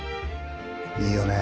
いいよね。